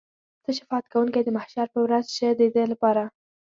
ته شفاعت کوونکی د محشر په ورځ شه د ده لپاره.